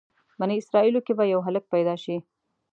بني اسرایلو کې به یو هلک پیدا شي.